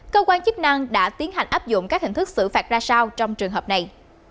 cơ quan chức năng đã tiến hành áp dụng các hình thức xử phạt ra sao trong trường hợp này